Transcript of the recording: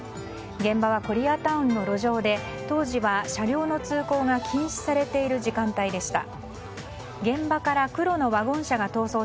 現場はコリアタウンの路上で当時は車両の通行が禁止されている時間帯でした。